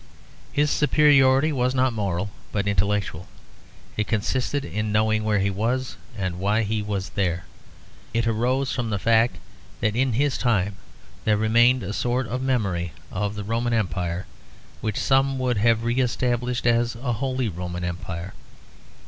His superiority was not moral but intellectual; it consisted in knowing where he was and why he was there. It arose from the fact that in his time there remained a sort of memory of the Roman Empire, which some would have re established as a Holy Roman Empire.